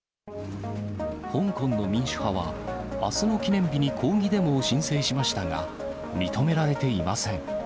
香港の民主派は、あすの記念日に抗議デモを申請しましたが、認められていません。